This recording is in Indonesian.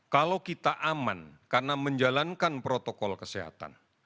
kalau kita aman karena menjalankan protokol kesehatan